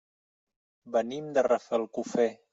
Venim de Rafelcofer.